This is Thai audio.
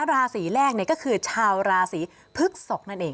ราศีแรกก็คือชาวราศีพฤกษกนั่นเอง